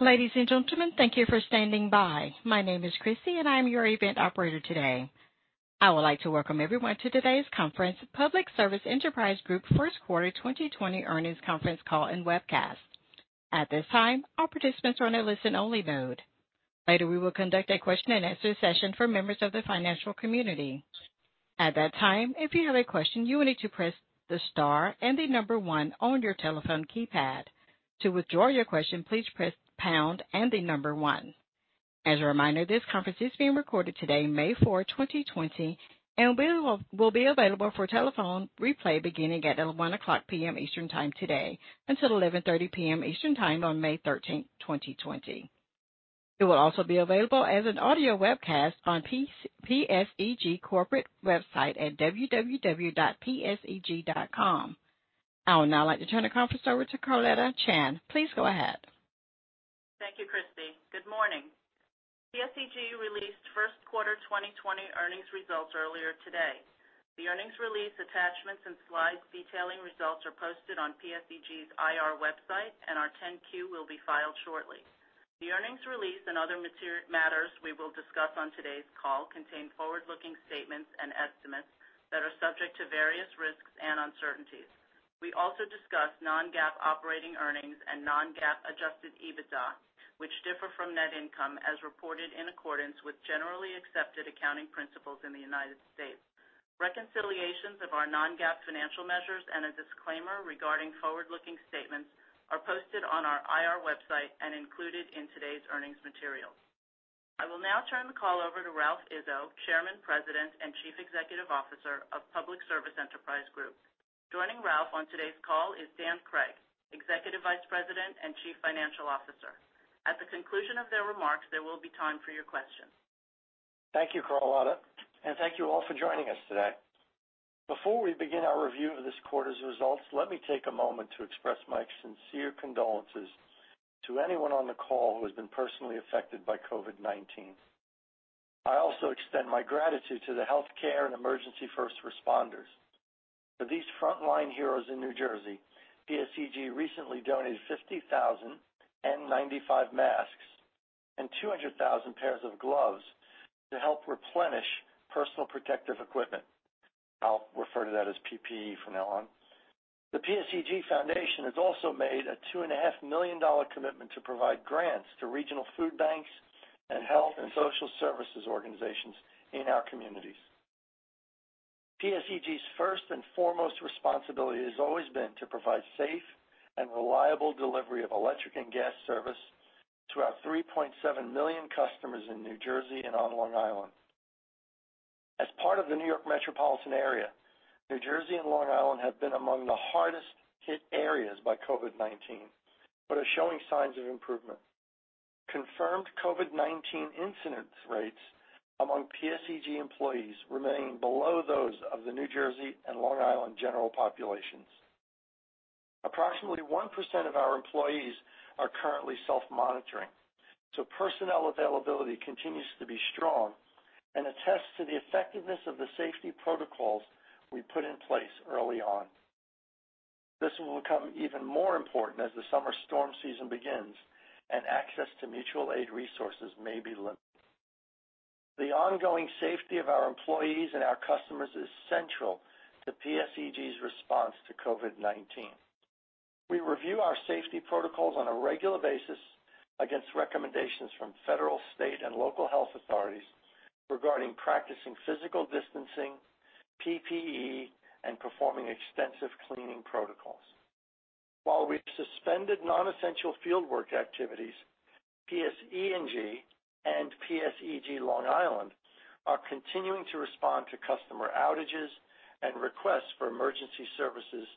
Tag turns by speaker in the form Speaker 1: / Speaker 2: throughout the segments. Speaker 1: Ladies and gentlemen, thank you for standing by. My name is Christie and I am your event operator today. I would like to welcome everyone to today's conference, Public Service Enterprise Group First Quarter 2020 Earnings Conference Call and Webcast. At this time, all participants are on a listen-only mode. Later, we will conduct a question-and-answer session for members of the financial community. At that time, if you have a question, you will need to press the star and the number one on your telephone keypad. To withdraw your question, please press pound and the number one. As a reminder, this conference is being recorded today, May 4, 2020, and will be available for telephone replay beginning at 1:00 P.M. Eastern Time today until 11:30 P.M. Eastern Time on May 13, 2020. It will also be available as an audio webcast on PSEG corporate website at www.pseg.com. I would now like to turn the conference over to Carlotta Chan. Please go ahead.
Speaker 2: Thank you, Christie. Good morning. PSEG released First Quarter 2020 Earnings Results earlier today. The earnings release attachments and slides detailing results are posted on PSEG's IR website, and our 10-Q will be filed shortly. The earnings release and other matters we will discuss on today's call contain forward-looking statements and estimates that are subject to various risks and uncertainties. We also discuss non-GAAP operating earnings and non-GAAP adjusted EBITDA, which differ from net income as reported in accordance with generally accepted accounting principles in the United States. Reconciliations of our non-GAAP financial measures and a disclaimer regarding forward-looking statements are posted on our IR website and included in today's earnings materials. I will now turn the call over to Ralph Izzo, Chairman, President, and Chief Executive Officer of Public Service Enterprise Group. Joining Ralph on today's call is Dan Cregg, Executive Vice President and Chief Financial Officer. At the conclusion of their remarks, there will be time for your questions.
Speaker 3: Thank you, Carlotta, and thank you all for joining us today. Before we begin our review of this quarter's results, let me take a moment to express my sincere condolences to anyone on the call who has been personally affected by COVID-19. I also extend my gratitude to the healthcare and emergency first responders. For these frontline heroes in New Jersey, PSEG recently donated 50,000 N95 masks and 200,000 pairs of gloves to help replenish personal protective equipment. I'll refer to that as PPE from now on. The PSEG Foundation has also made a $2.5 million commitment to provide grants to regional food banks and health and social services organizations in our communities. PSEG's first and foremost responsibility has always been to provide safe and reliable delivery of electric and gas service to our 3.7 million customers in New Jersey and on Long Island. As part of the New York metropolitan area, New Jersey and Long Island have been among the hardest hit areas by COVID-19, but are showing signs of improvement. Confirmed COVID-19 incidence rates among PSEG employees remain below those of the New Jersey and Long Island general populations. Approximately 1% of our employees are currently self-monitoring, so personnel availability continues to be strong and attests to the effectiveness of the safety protocols we put in place early on. This will become even more important as the summer storm season begins and access to mutual aid resources may be limited. The ongoing safety of our employees and our customers is central to PSEG's response to COVID-19. We review our safety protocols on a regular basis against recommendations from federal, state, and local health authorities regarding practicing physical distancing, PPE, and performing extensive cleaning protocols. While we've suspended non-essential fieldwork activities, PSE&G and PSEG Long Island are continuing to respond to customer outages and requests for emergency services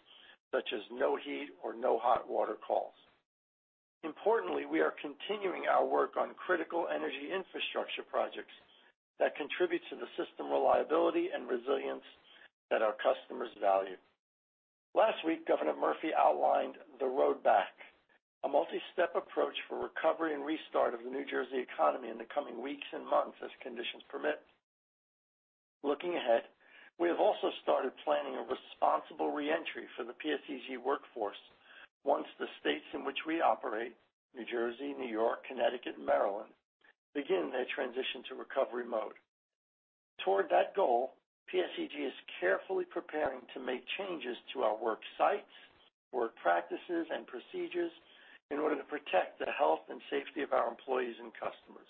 Speaker 3: such as no heat or no hot water calls. Importantly, we are continuing our work on critical energy infrastructure projects that contribute to the system reliability and resilience that our customers value. Last week, Governor Murphy outlined The Road Back, a multistep approach for recovery and restart of the New Jersey economy in the coming weeks and months as conditions permit. Looking ahead, we have also started planning a responsible reentry for the PSEG workforce once the states in which we operate, New Jersey, New York, Connecticut, and Maryland, begin their transition to recovery mode. Toward that goal, PSEG is carefully preparing to make changes to our work sites, work practices, and procedures in order to protect the health and safety of our employees and customers.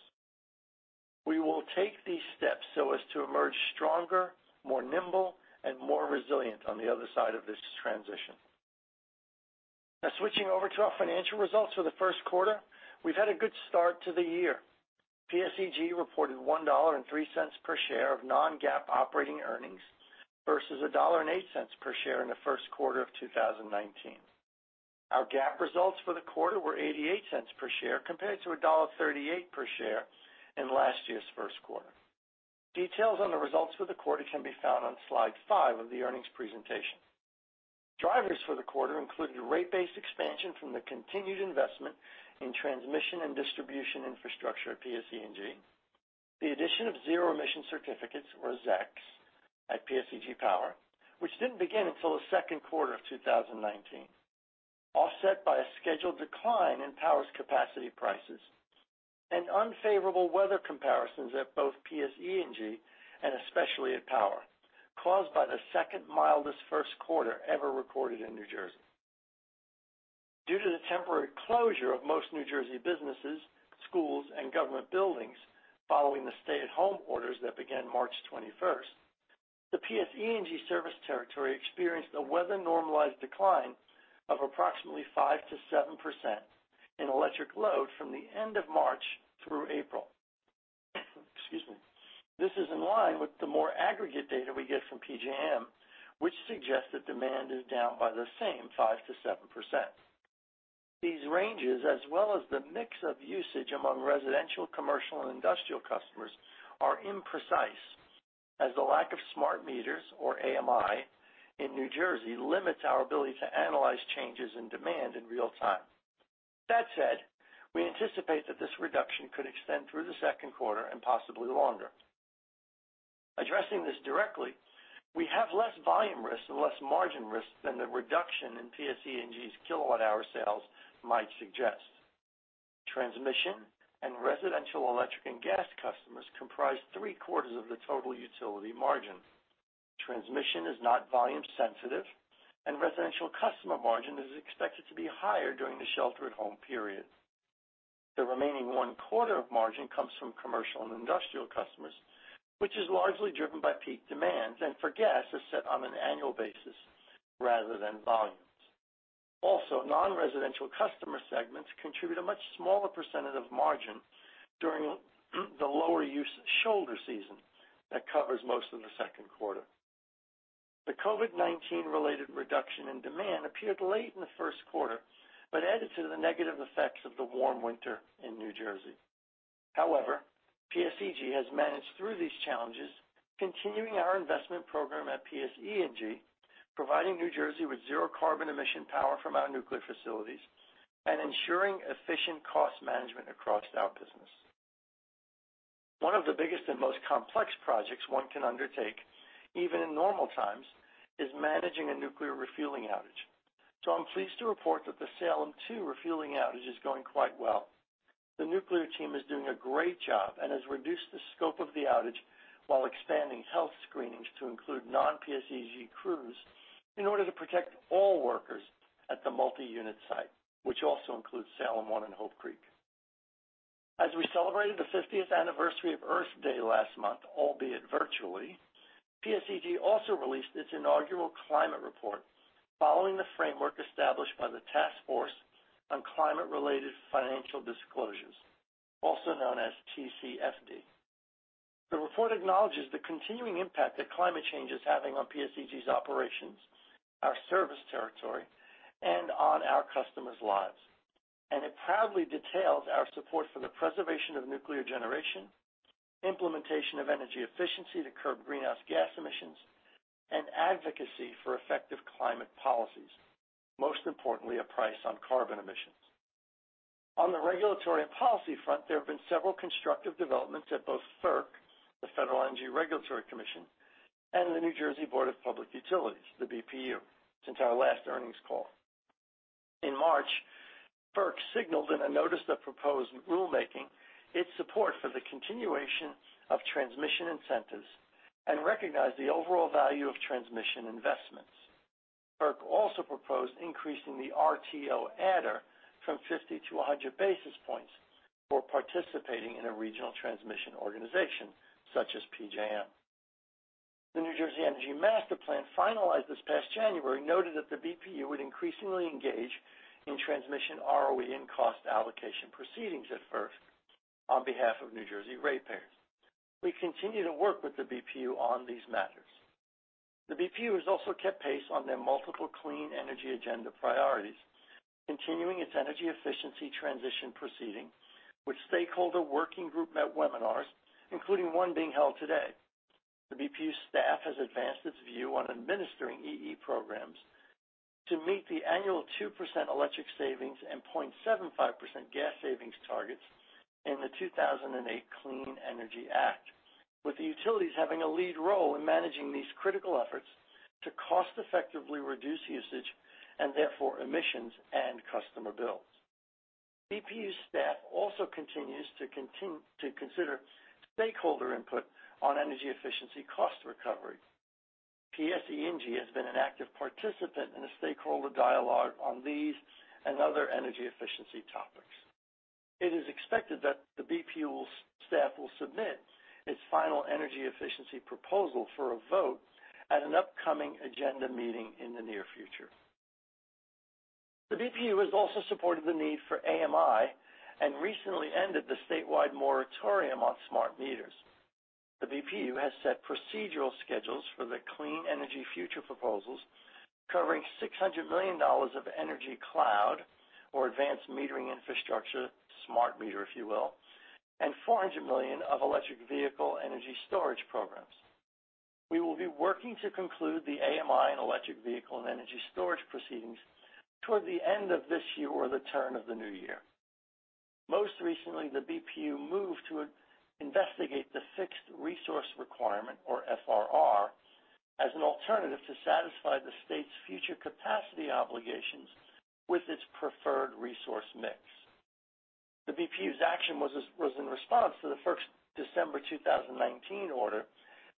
Speaker 3: We will take these steps so as to emerge stronger, more nimble, and more resilient on the other side of this transition. Switching over to our financial results for the first quarter, we've had a good start to the year. PSEG reported $1.03 per share of non-GAAP operating earnings versus $1.08 per share in the first quarter of 2019. Our GAAP results for the quarter were $0.88 per share compared to $1.38 per share in last year's first quarter. Details on the results for the quarter can be found on slide five of the earnings presentation. Drivers for the quarter included rate base expansion from the continued investment in transmission and distribution infrastructure at PSE&G. The addition of Zero Emission Certificates, or ZECs, at PSEG Power, which didn't begin until the second quarter of 2019, offset by a scheduled decline in Power's capacity prices, and unfavorable weather comparisons at both PSE&G and especially at Power, caused by the second mildest first quarter ever recorded in New Jersey. Due to the temporary closure of most New Jersey businesses, schools, and government buildings following the stay-at-home orders that began March 21st, the PSE&G service territory experienced a weather-normalized decline of approximately 5%-7% in electric load from the end of March through April. Excuse me. This is in line with the more aggregate data we get from PJM, which suggests that demand is down by the same 5%-7%. These ranges, as well as the mix of usage among residential, commercial, and industrial customers, are imprecise, as the lack of smart meters, or AMI, in New Jersey limits our ability to analyze changes in demand in real time. That said, we anticipate that this reduction could extend through the second quarter and possibly longer. Addressing this directly, we have less volume risk and less margin risk than the reduction in PSE&G's kilowatt-hour sales might suggest. Transmission and residential electric and gas customers comprise three-quarters of the total utility margin. Transmission is not volume sensitive, and residential customer margin is expected to be higher during the shelter-at-home period. The remaining one quarter of margin comes from commercial and industrial customers, which is largely driven by peak demands, and for gas, is set on an annual basis rather than volumes. Non-residential customer segments contribute a much smaller percentage of margin during the lower use shoulder season that covers most of the second quarter. The COVID-19 related reduction in demand appeared late in the first quarter, but added to the negative effects of the warm winter in New Jersey. PSEG has managed through these challenges, continuing our investment program at PSE&G, providing New Jersey with zero carbon emission power from our nuclear facilities, and ensuring efficient cost management across our business. One of the biggest and most complex projects one can undertake, even in normal times, is managing a nuclear refueling outage. I'm pleased to report that the Salem 2 refueling outage is going quite well. The nuclear team is doing a great job and has reduced the scope of the outage while expanding health screenings to include non-PSEG crews in order to protect all workers at the multi-unit site, which also includes Salem 1 and Hope Creek. As we celebrated the 50th anniversary of Earth Day last month, albeit virtually, PSEG also released its inaugural climate report following the framework established by the Task Force on Climate-related Financial Disclosures, also known as TCFD. The report acknowledges the continuing impact that climate change is having on PSEG's operations, our service territory, and on our customers' lives. It proudly details our support for the preservation of nuclear generation, implementation of energy efficiency to curb greenhouse gas emissions, and advocacy for effective climate policies, most importantly, a price on carbon emissions. On the regulatory and policy front, there have been several constructive developments at both FERC, the Federal Energy Regulatory Commission, and the New Jersey Board of Public Utilities, the BPU, since our last earnings call. In March, FERC signaled in a Notice of Proposed Rulemaking its support for the continuation of transmission incentives and recognized the overall value of transmission investments. FERC also proposed increasing the RTO adder from 50 to 100 basis points for participating in a regional transmission organization such as PJM. The New Jersey Energy Master Plan finalized this past January noted that the BPU would increasingly engage in transmission ROE and cost allocation proceedings at FERC on behalf of New Jersey ratepayers. We continue to work with the BPU on these matters. The BPU has also kept pace on their multiple clean energy agenda priorities, continuing its energy efficiency transition proceeding with stakeholder working group webinars, including one being held today. The BPU staff has advanced its view on administering EE programs to meet the annual 2% electric savings and 0.75% gas savings targets in the 2008 Clean Energy Act, with the utilities having a lead role in managing these critical efforts to cost-effectively reduce usage, and therefore emissions and customer bills. BPU staff also continues to consider stakeholder input on energy efficiency cost recovery. PSE&G has been an active participant in the stakeholder dialogue on these and other energy efficiency topics. It is expected that the BPU staff will submit its final energy efficiency proposal for a vote at an upcoming agenda meeting in the near future. The BPU has also supported the need for AMI and recently ended the statewide moratorium on smart meters. The BPU has set procedural schedules for the Clean Energy Future proposals covering $600 million of Energy Cloud or advanced metering infrastructure, smart meter, if you will, and $400 million of electric vehicle energy storage programs. We will be working to conclude the AMI and electric vehicle and energy storage proceedings toward the end of this year or the turn of the new year. Most recently, the BPU moved to investigate the Fixed Resource Requirement, or FRR, as an alternative to satisfy the state's future capacity obligations with its preferred resource mix. The BPU's action was in response to the first December 2019 order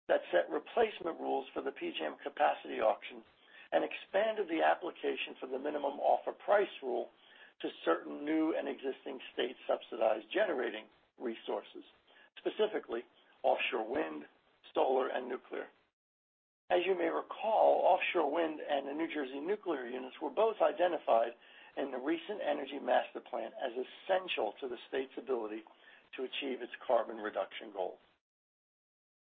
Speaker 3: that set replacement rules for the PJM capacity auction and expanded the application for the Minimum Offer Price Rule to certain new and existing state-subsidized generating resources, specifically offshore wind, solar, and nuclear. As you may recall, offshore wind and the New Jersey nuclear units were both identified in the recent New Jersey Energy Master Plan as essential to the state's ability to achieve its carbon reduction goals.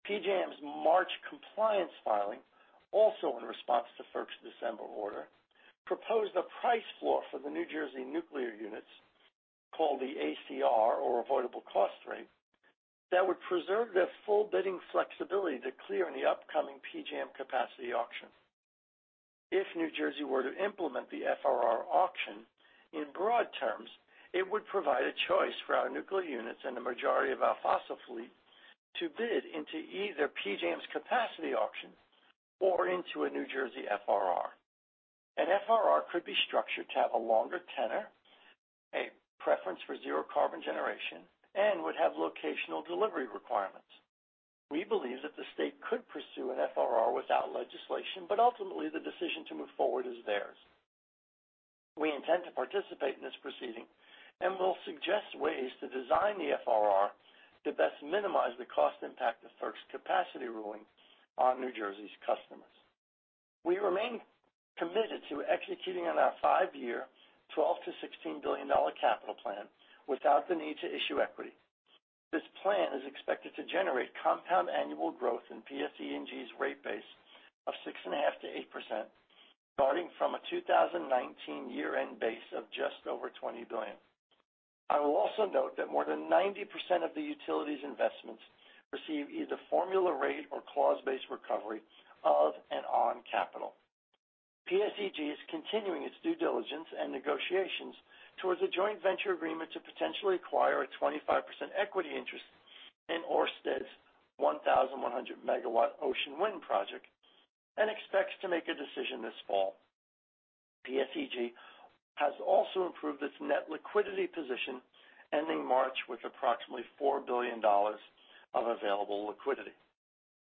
Speaker 3: PJM's March compliance filing, also in response to FERC's December order, proposed a price floor for the New Jersey nuclear units, called the ACR or Avoidable Cost Rate, that would preserve their full bidding flexibility to clear in the upcoming PJM capacity auction. If New Jersey were to implement the FRR auction, in broad terms, it would provide a choice for our nuclear units and the majority of our fossil fleet to bid into either PJM's capacity auction or into a New Jersey FRR. An FRR could be structured to have a longer tenor, a preference for zero carbon generation, and would have locational delivery requirements. We believe that the state could pursue an FRR without legislation, but ultimately the decision to move forward is theirs. We intend to participate in this proceeding, and will suggest ways to design the FRR to best minimize the cost impact of FERC's capacity ruling on New Jersey's customers. We remain committed to executing on our five-year, $12 billion to $16 billion capital plan without the need to issue equity. This plan is expected to generate compound annual growth in PSEG's rate base of 6.5%-8%, starting from a 2019 year-end base of just over $20 billion. I will also note that more than 90% of the utility's investments receive either formula rate or clause-based recovery of and on capital. PSEG is continuing its due diligence and negotiations towards a joint venture agreement to potentially acquire a 25% equity interest in Ørsted's 1,100 MW Ocean Wind project, and expects to make a decision this fall. PSEG has also improved its net liquidity position, ending March with approximately $4 billion of available liquidity.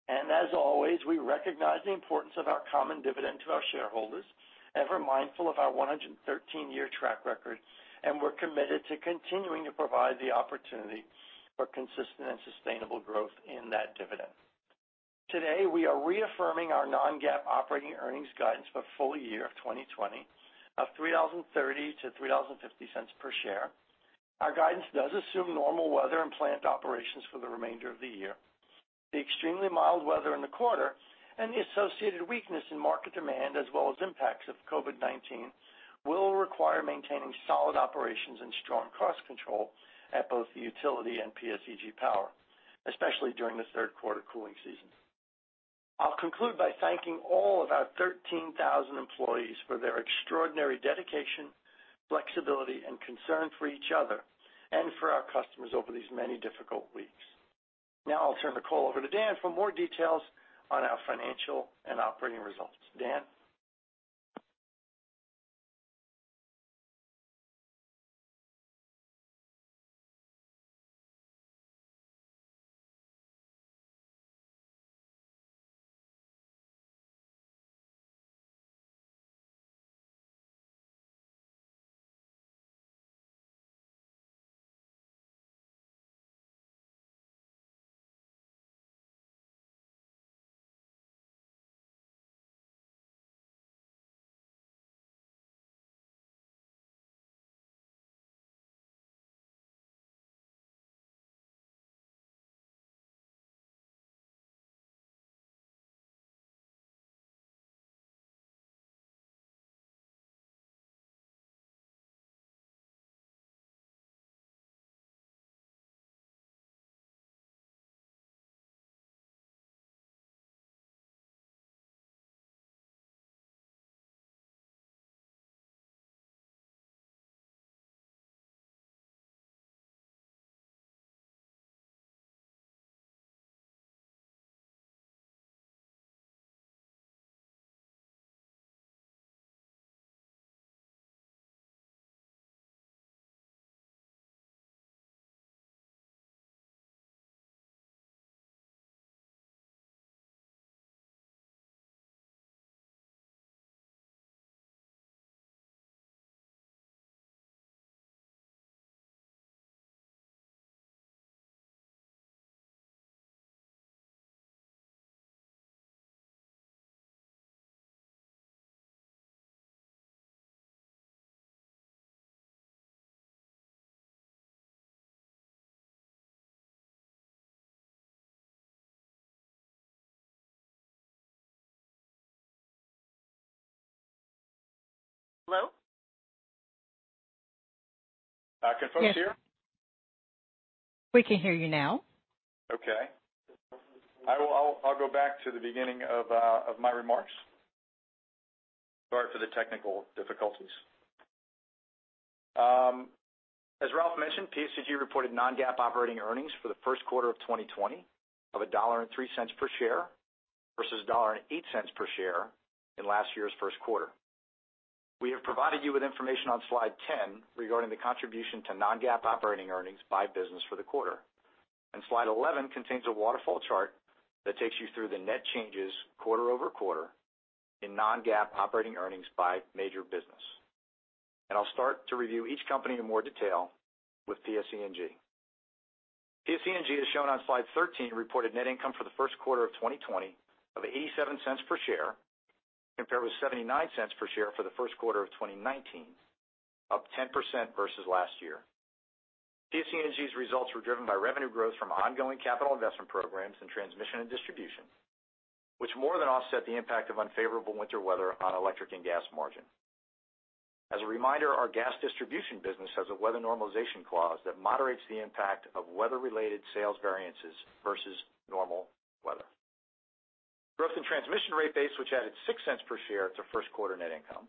Speaker 3: As always, we recognize the importance of our common dividend to our shareholders, ever mindful of our 113-year track record, and we're committed to continuing to provide the opportunity for consistent and sustainable growth in that dividend. Today, we are reaffirming our non-GAAP operating earnings guidance for full-year of 2020 of $3.30-$3.50 per share. Our guidance does assume normal weather and plant operations for the remainder of the year. The extremely mild weather in the quarter and the associated weakness in market demand, as well as impacts of COVID-19, will require maintaining solid operations and strong cost control at both the utility and PSEG Power, especially during the third quarter cooling season. I'll conclude by thanking all of our 13,000 employees for their extraordinary dedication, flexibility, and concern for each other and for our customers over these many difficult weeks. I'll turn the call over to Dan for more details on our financial and operating results. Dan?
Speaker 4: Hello? Can folks hear?
Speaker 1: We can hear you now.
Speaker 4: Okay. I'll go back to the beginning of my remarks. Sorry for the technical difficulties. As Ralph mentioned, PSE&G reported non-GAAP operating earnings for the first quarter of 2020 of $1.03 per share versus $1.08 per share in last year's first quarter. We have provided you with information on slide 10 regarding the contribution to non-GAAP operating earnings by business for the quarter. Slide 11 contains a waterfall chart that takes you through the net changes quarter-over-quarter in non-GAAP operating earnings by major business. I'll start to review each company in more detail with PSE&G. PSE&G, as shown on slide 13, reported net income for the first quarter of 2020 of $0.87 per share, compared with $0.79 per share for the first quarter of 2019, up 10% versus last year. PSE&G's results were driven by revenue growth from ongoing capital investment programs in transmission and distribution, which more than offset the impact of unfavorable winter weather on electric and gas margin. As a reminder, our gas distribution business has a weather normalization clause that moderates the impact of weather-related sales variances versus normal weather. Growth in transmission rate base, which added $0.06 per share to first quarter net income,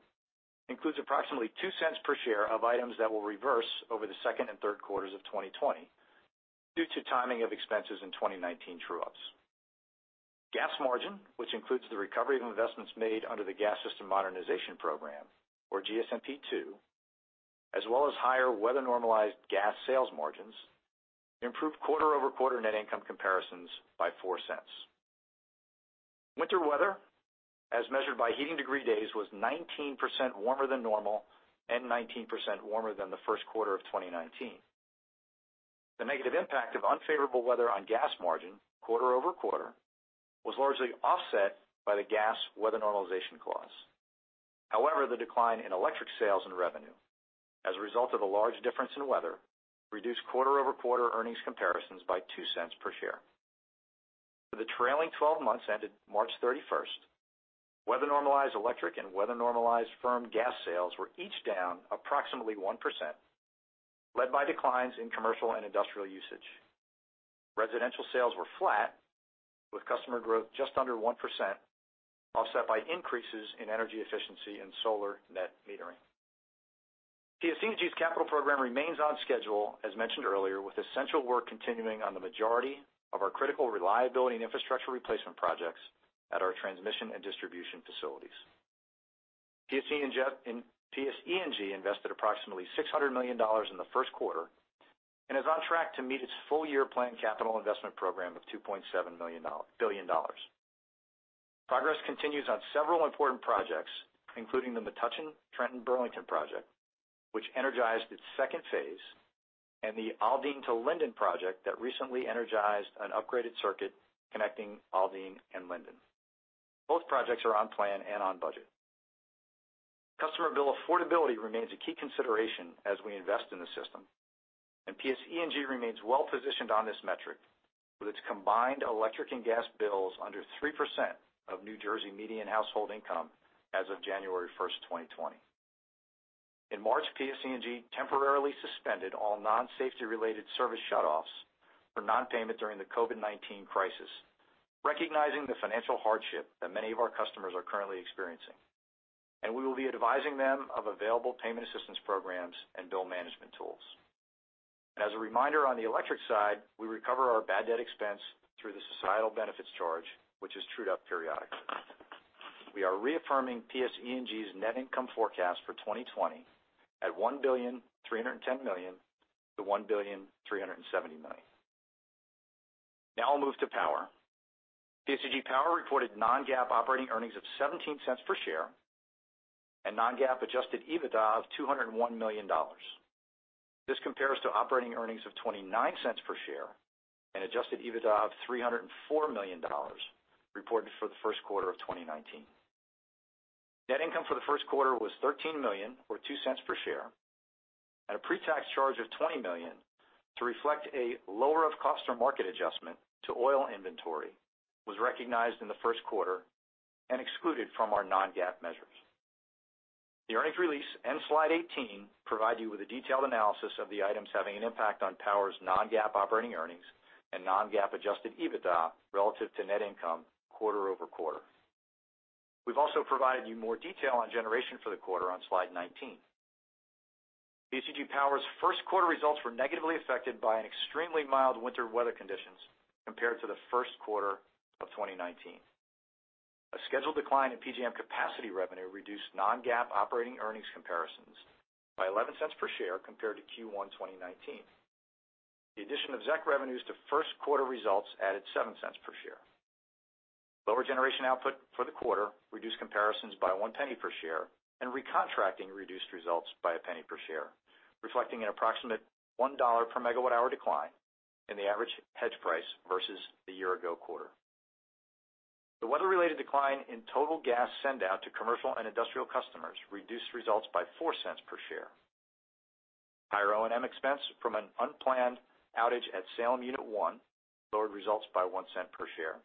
Speaker 4: includes approximately $0.02 per share of items that will reverse over the second and third quarters of 2020 due to timing of expenses in 2019 true-ups. Gas margin, which includes the recovery of investments made under the Gas System Modernization Program, or GSMP2, as well as higher weather normalized gas sales margins, improved quarter-over-quarter net income comparisons by $0.04. Winter weather, as measured by heating degree days, was 19% warmer than normal and 19% warmer than the first quarter of 2019. The negative impact of unfavorable weather on gas margin quarter-over-quarter was largely offset by the gas weather normalization clause. However, the decline in electric sales and revenue, as a result of a large difference in weather, reduced quarter-over-quarter earnings comparisons by $0.02 per share. For the trailing 12 months ended March 31st, weather normalized electric and weather normalized firm gas sales were each down approximately 1%, led by declines in commercial and industrial usage. Residential sales were flat, with customer growth just under 1%, offset by increases in energy efficiency and solar net metering. PSE&G's capital program remains on schedule, as mentioned earlier, with essential work continuing on the majority of our critical reliability and infrastructure replacement projects at our transmission and distribution facilities. PSE&G invested approximately $600 million in the first quarter and is on track to meet its full-year planned capital investment program of $2.7 billion. Progress continues on several important projects, including the Metuchen/Trenton-Burlington project, which energized its phase 2, and the Aldene to Linden project that recently energized an upgraded circuit connecting Aldene and Linden. Both projects are on plan and on budget. Customer bill affordability remains a key consideration as we invest in the system, and PSE&G remains well-positioned on this metric, with its combined electric and gas bills under 3% of New Jersey median household income as of January 1st, 2020. In March, PSE&G temporarily suspended all non-safety-related service shutoffs for non-payment during the COVID-19 crisis, recognizing the financial hardship that many of our customers are currently experiencing. We will be advising them of available payment assistance programs and bill management tools. As a reminder, on the electric side, we recover our bad debt expense through the societal benefits charge, which is trued up periodically. We are reaffirming PSE&G's net income forecast for 2020 at $1,310 million-$1,370 million. Now I'll move to Power. PSE&G Power reported non-GAAP operating earnings of $0.17 per share and non-GAAP adjusted EBITDA of $201 million. This compares to operating earnings of $0.29 per share and adjusted EBITDA of $304 million reported for the first quarter of 2019. Net income for the first quarter was $13 million, or $0.02 per share. A pre-tax charge of $20 million to reflect a lower-of-cost-or-market adjustment to oil inventory was recognized in the first quarter and excluded from our non-GAAP measures. The earnings release and slide 18 provide you with a detailed analysis of the items having an impact on PSEG Power's non-GAAP operating earnings and non-GAAP adjusted EBITDA relative to net income quarter-over-quarter. We've also provided you more detail on generation for the quarter on slide 19. PSE&G Power's first quarter results were negatively affected by an extremely mild winter weather conditions compared to the first quarter of 2019. A scheduled decline in PJM capacity revenue reduced non-GAAP operating earnings comparisons by $0.11 per share compared to Q1 2019. The addition of ZEC revenues to first quarter results added $0.07 per share. Lower generation output for the quarter reduced comparisons by $0.01 per share, and recontracting reduced results by $0.01 per share, reflecting an approximate $1/MWh decline in the average hedge price versus the year-ago quarter. The weather-related decline in total gas sendout to commercial and industrial customers reduced results by $0.04 per share. O&M expense from an unplanned outage at Salem Unit 1 lowered results by $0.01 per share.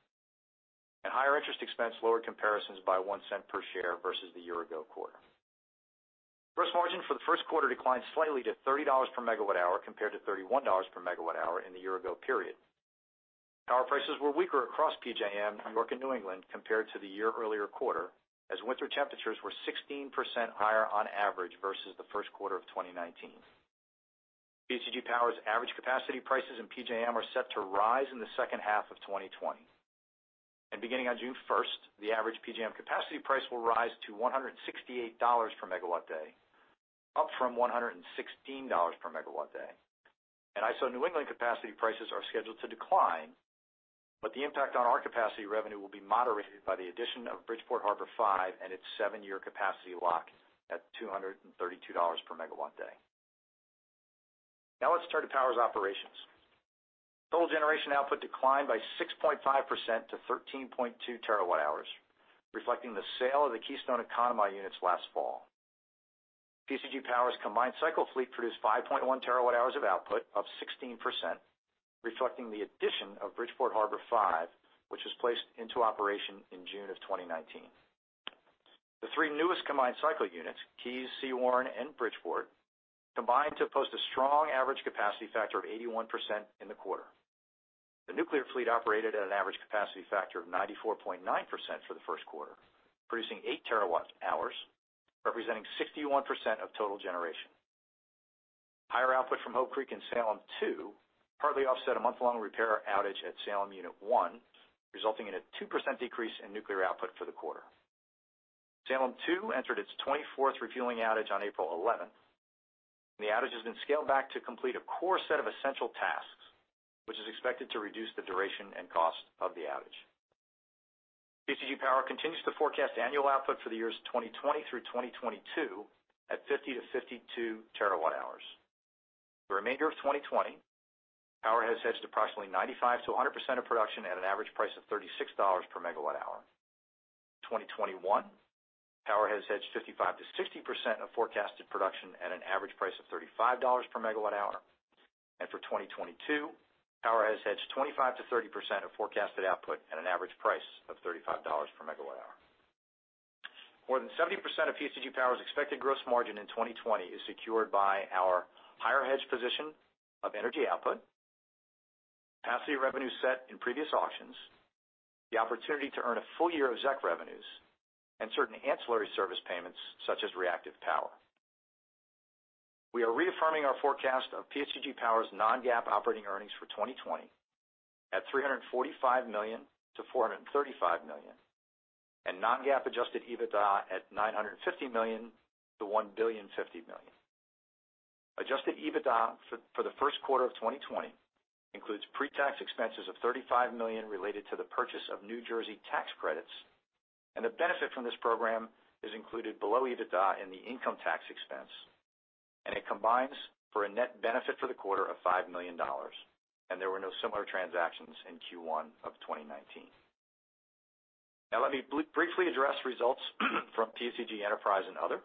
Speaker 4: Higher interest expense lowered comparisons by $0.01 per share versus the year-ago quarter. Gross margin for the first quarter declined slightly to $30/MWh, compared to $31/MWh in the year-ago period. Power prices were weaker across PJM, New York, and New England compared to the year-earlier quarter, as winter temperatures were 16% higher on average versus the first quarter of 2019. PSEG Power's average capacity prices in PJM are set to rise in the second half of 2020. Beginning on June first, the average PJM capacity price will rise to $168/MW day, up from $116/MW day. ISO New England capacity prices are scheduled to decline, but the impact on our capacity revenue will be moderated by the addition of Bridgeport Harbor 5 and its seven-year capacity lock at $232/MW day. Now let's turn to Power's operations. Total generation output declined by 6.5% to 13.2 TW hours, reflecting the sale of the Keystone and Conemaugh Units last fall. PSEG Power's combined cycle fleet produced 5.1 TW hours of output, up 16%, reflecting the addition of Bridgeport Harbor 5, which was placed into operation in June of 2019. The three newest combined cycle units, Keys, Sewaren, and Bridgeport, combined to post a strong average capacity factor of 81% in the quarter. The nuclear fleet operated at an average capacity factor of 94.9% for the first quarter, producing 8 TW hours, representing 61% of total generation. Higher output from Hope Creek and Salem 2 hardly offset a month-long repair outage at Salem Unit 1, resulting in a 2% decrease in nuclear output for the quarter. Salem 2 entered its 24th refueling outage on April 11th. The outage has been scaled back to complete a core set of essential tasks, which is expected to reduce the duration and cost of the outage. PSEG Power continues to forecast annual output for the years 2020 through 2022 at 50 to 52 TW hours. For the remainder of 2020, Power has hedged approximately 95%-100% of production at an average price of $36 per MWh. 2021, Power has hedged 55%-60% of forecasted production at an average price of $35 per MWh. For 2022, Power has hedged 25%-30% of forecasted output at an average price of $35 per MWh. More than 70% of PSEG Power's expected gross margin in 2020 is secured by our higher hedged position of energy output, capacity revenue set in previous auctions, the opportunity to earn a full year of ZEC revenues, and certain ancillary service payments such as reactive power. We are reaffirming our forecast of PSEG Power's non-GAAP operating earnings for 2020 at $345 million-$435 million, and non-GAAP adjusted EBITDA at $950 million-$1,050 million. Adjusted EBITDA for the first quarter of 2020 includes pre-tax expenses of $35 million related to the purchase of New Jersey tax credits, and the benefit from this program is included below EBITDA in the income tax expense, and it combines for a net benefit for the quarter of $5 million. There were no similar transactions in Q1 of 2019. Now let me briefly address results from PSEG Power and Other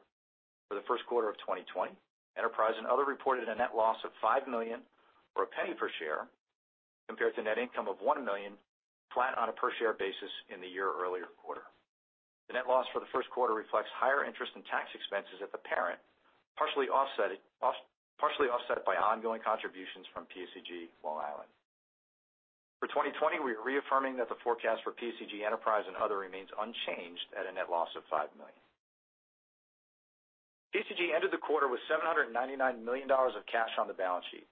Speaker 4: for the first quarter of 2020. Power and Other reported a net loss of $5 million or $0.01 per share, compared to net income of $1 million flat on a per-share basis in the year-earlier quarter. The net loss for the first quarter reflects higher interest and tax expenses at the parent, partially offset by ongoing contributions from PSEG Long Island. For 2020, we are reaffirming that the forecast for PSEG Power and Other remains unchanged at a net loss of $5 million. PSEG ended the quarter with $799 million of cash on the balance sheet.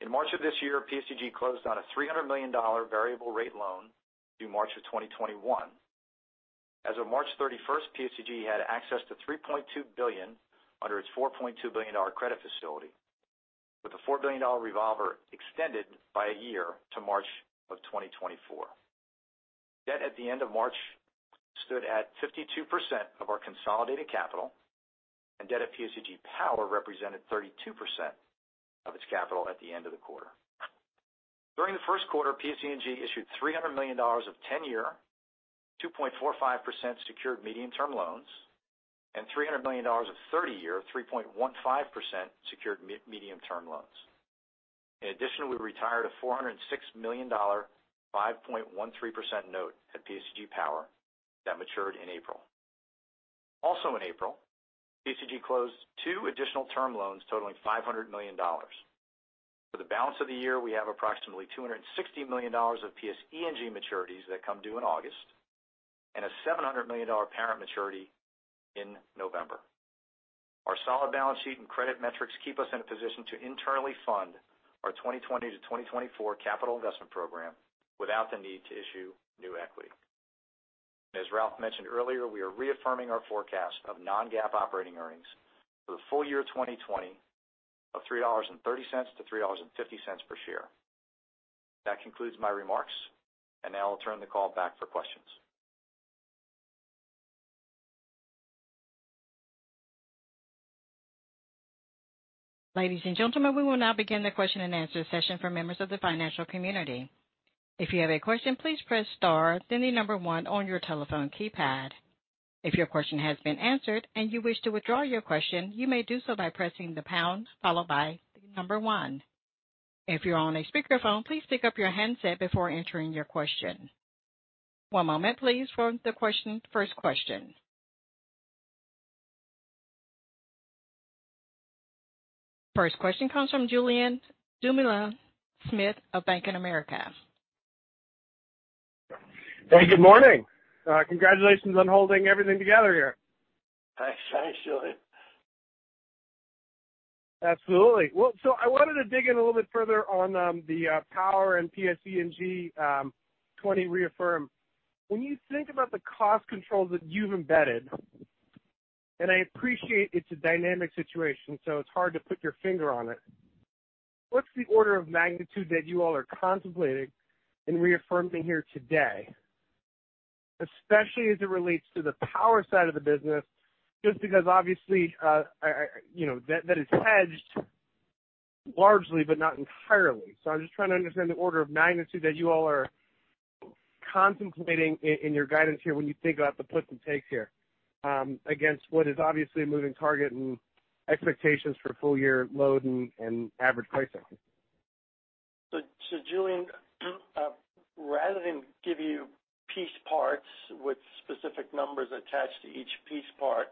Speaker 4: In March of this year, PSEG closed on a $300 million variable rate loan due March of 2021. As of March 31st, PSEG had access to $3.2 billion under its $4.2 billion credit facility, with a $4 billion revolver extended by a year to March of 2024. Debt at the end of March stood at 52% of our consolidated capital, and debt at PSEG Power represented 32% of its capital at the end of the quarter. During the first quarter, PSEG issued $300 million of 10-year, 2.45% secured medium-term loans and $300 million of 30-year, 3.15% secured medium-term loans. In addition, we retired a $406 million 5.13% note at PSEG Power that matured in April. Also in April, PSEG closed two additional term loans totaling $500 million. For the balance of the year, we have approximately $260 million of PSE&G maturities that come due in August and a $700 million parent maturity in November. Our solid balance sheet and credit metrics keep us in a position to internally fund our 2020-2024 capital investment program without the need to issue new equity. As Ralph mentioned earlier, we are reaffirming our forecast of non-GAAP operating earnings for the full year 2020 of $3.30-$3.50 per share. That concludes my remarks, and now I'll turn the call back for questions.
Speaker 1: Ladies and gentlemen, we will now begin the question-and-answer session for members of the financial community. If you have a question, please press star, then the number one on your telephone keypad. If your question has been answered and you wish to withdraw your question, you may do so by pressing the pound followed by the number one. If you're on a speakerphone, please pick up your handset before answering your question. One moment please for the first question. First question comes from Julien Dumoulin-Smith of Bank of America.
Speaker 5: Hey, good morning. Congratulations on holding everything together here.
Speaker 3: Thanks. Thanks, Julien.
Speaker 5: Absolutely. Well, I wanted to dig in a little bit further on the Power and PSE&G 2020 reaffirm. When you think about the cost controls that you've embedded, I appreciate it's a dynamic situation, it's hard to put your finger on it, what's the order of magnitude that you all are contemplating in reaffirming here today? Especially as it relates to the Power side of the business, just because obviously that is hedged largely, but not entirely. I'm just trying to understand the order of magnitude that you all are contemplating in your guidance here when you think about the puts and takes here, against what is obviously a moving target and expectations for full year load and average pricing.
Speaker 3: Julien, rather than give you piece parts with specific numbers attached to each piece part.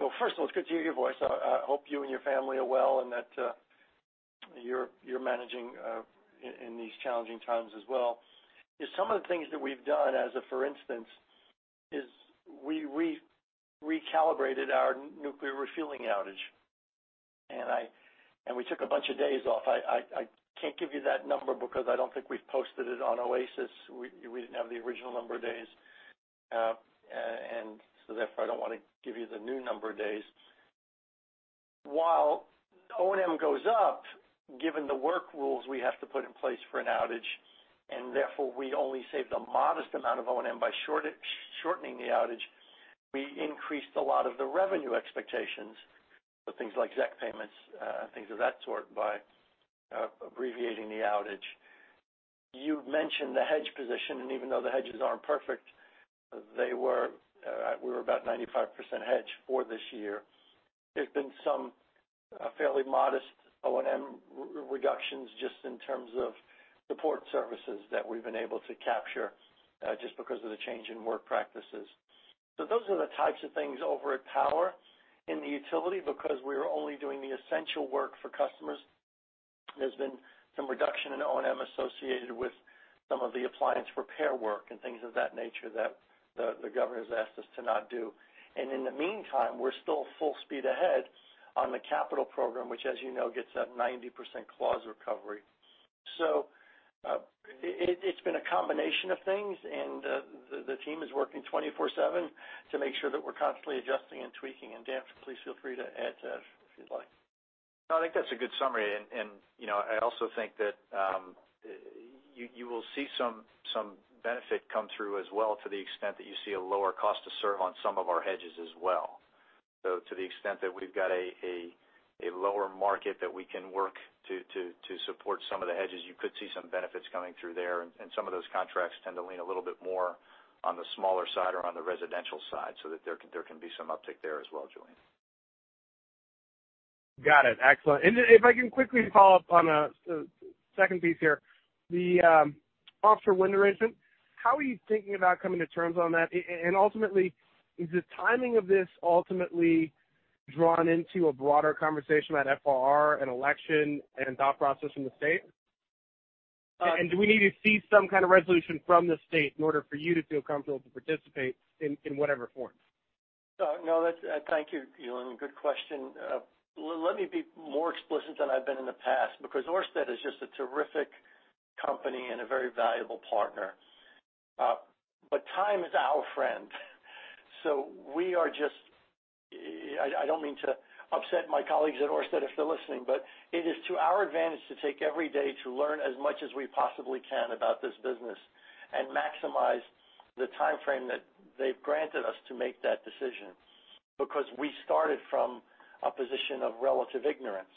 Speaker 3: Well, first of all, it's good to hear your voice. I hope you and your family are well, and that you're managing in these challenging times as well. Some of the things that we've done as a for instance, is recalibrated our nuclear refueling outage. We took a bunch of days off. I can't give you that number because I don't think we've posted it on OASIS. We didn't have the original number of days. Therefore, I don't want to give you the new number of days. While O&M goes up, given the work rules we have to put in place for an outage, and therefore we only saved a modest amount of O&M by shortening the outage, we increased a lot of the revenue expectations for things like executive compensation, things of that sort by abbreviating the outage. You've mentioned the hedge position, and even though the hedges aren't perfect, we were about 95% hedged for this year. There've been some fairly modest O&M reductions just in terms of support services that we've been able to capture, just because of the change in work practices. Those are the types of things over at Power in the Utility because we are only doing the essential work for customers. There's been some reduction in O&M associated with some of the appliance repair work and things of that nature that the Governor's asked us to not do. In the meantime, we're still full speed ahead on the capital program, which as you know gets that 90% clause recovery. It's been a combination of things, and the team is working 24/7 to make sure that we're constantly adjusting and tweaking. Dan, please feel free to add to if you'd like.
Speaker 4: No, I think that's a good summary. I also think that you will see some benefit come through as well to the extent that you see a lower cost to serve on some of our hedges as well. To the extent that we've got a lower market that we can work to support some of the hedges, you could see some benefits coming through there. Some of those contracts tend to lean a little bit more on the smaller side or on the residential side so that there can be some uptick there as well, Julien.
Speaker 5: Got it. Excellent. If I can quickly follow up on a second piece here. The offshore wind arrangement, how are you thinking about coming to terms on that? Ultimately, is the timing of this ultimately drawn into a broader conversation about FRR and election and thought process from the state? Do we need to see some kind of resolution from the state in order for you to feel comfortable to participate in whatever form?
Speaker 3: No, thank you, Julien. Good question. Let me be more explicit than I've been in the past because Ørsted is just a terrific company and a very valuable partner. Time is our friend. We are just I don't mean to upset my colleagues at Ørsted if they're listening, but it is to our advantage to take every day to learn as much as we possibly can about this business and maximize the timeframe that they've granted us to make that decision. We started from a position of relative ignorance.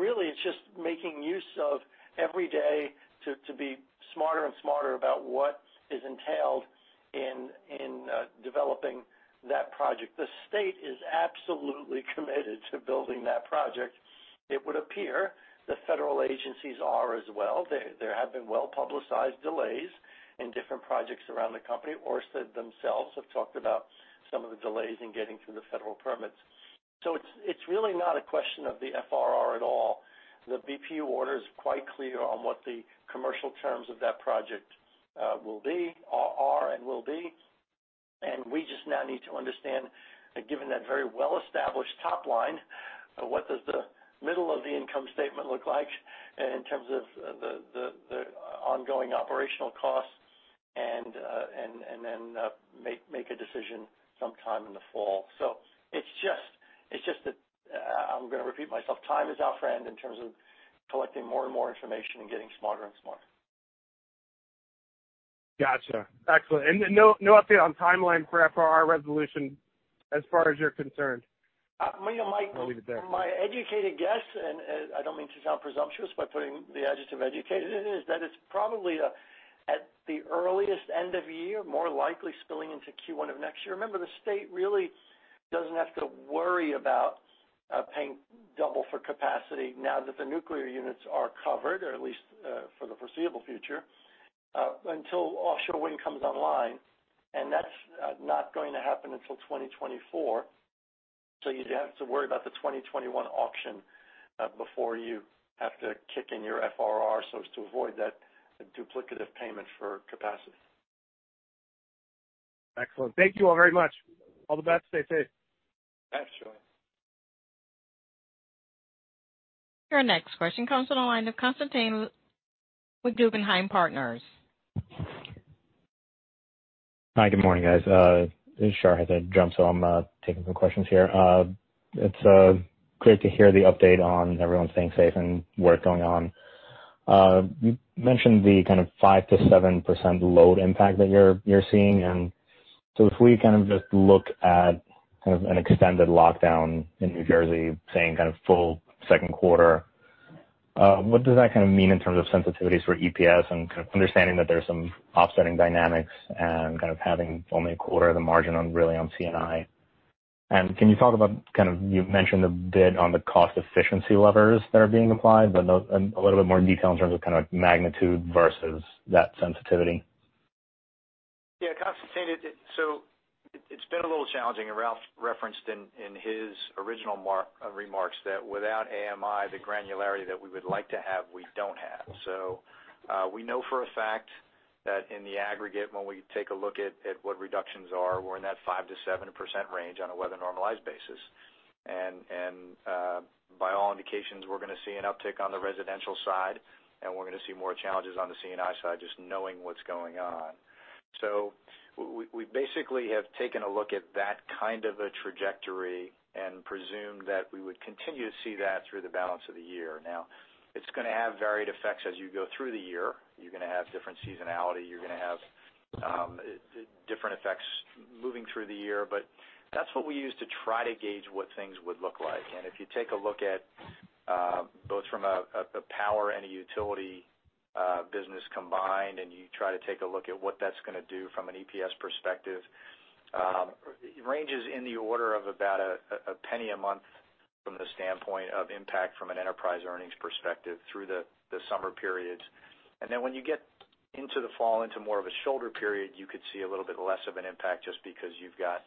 Speaker 3: Really it's just making use of every day to be smarter and smarter about what is entailed in developing that project. The state is absolutely committed to building that project. It would appear the federal agencies are as well. There have been well-publicized delays in different projects around the company. Ørsted themselves have talked about some of the delays in getting through the federal permits. It's really not a question of the FRR at all. The BPU order is quite clear on what the commercial terms of that project are and will be. We just now need to understand, given that very well-established top line, what does the middle of the income statement look like in terms of the ongoing operational costs and then make a decision sometime in the fall. It's just that, I'm going to repeat myself, time is our friend in terms of collecting more and more information and getting smarter and smarter.
Speaker 5: Gotcha. Excellent. No update on timeline for FRR resolution as far as you're concerned?
Speaker 3: My educated guess, and I don't mean to sound presumptuous by putting the adjective educated in, is that it's probably at the earliest end of year, more likely spilling into Q1 of next year. Remember, the state really doesn't have to worry about paying double for capacity now that the nuclear units are covered, or at least for the foreseeable future, until offshore wind comes online. That's not going to happen until 2024. You'd have to worry about the 2021 auction before you have to kick in your FRR so as to avoid that duplicative payment for capacity.
Speaker 5: Excellent. Thank you all very much. All the best. Stay safe.
Speaker 3: Absolutely.
Speaker 1: Your next question comes on the line of Constantine with Guggenheim Partners.
Speaker 6: Hi, good morning, guys. Shar had to jump, I'm taking some questions here. It's great to hear the update on everyone staying safe and work going on. You mentioned the kind of 5%-7% load impact that you're seeing. If we kind of just look at kind of an extended lockdown in New Jersey, saying kind of full second quarter, what does that kind of mean in terms of sensitivities for EPS and kind of understanding that there's some offsetting dynamics and kind of having only a quarter of the margin really on C&I? Can you talk about, kind of you mentioned a bit on the cost efficiency levers that are being applied, but a little bit more detail in terms of kind of magnitude versus that sensitivity.
Speaker 4: Constantine, it's been a little challenging, and Ralph referenced in his original remarks that without AMI, the granularity that we would like to have, we don't have. We know for a fact that in the aggregate, when we take a look at what reductions are, we're in that 5%-7% range on a weather-normalized basis. By all indications, we're going to see an uptick on the residential side, and we're going to see more challenges on the C&I side, just knowing what's going on. We basically have taken a look at that kind of a trajectory and presumed that we would continue to see that through the balance of the year. Now, it's going to have varied effects as you go through the year. You're going to have different seasonality, you're going to have different effects moving through the year. That's what we use to try to gauge what things would look like. If you take a look at both from a power and a utility business combined, and you try to take a look at what that's going to do from an EPS perspective, it ranges in the order of about a penny a month from the standpoint of impact from an enterprise earnings perspective through the summer periods. Then when you get into the fall, into more of a shoulder period, you could see a little bit less of an impact just because you've got